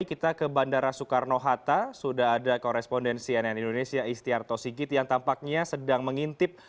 kita ke bandara soekarno hatta sudah ada korespondensi nn indonesia istiarto sigit yang tampaknya sedang mengintip